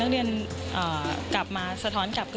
นักเรียนกลับมาสะท้อนกับทุกคน